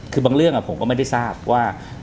คือบางเรื่องผมก็ไม่ได้ทราบว่า